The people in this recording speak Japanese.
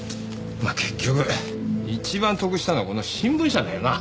まあ結局一番得したのはこの新聞社だよな。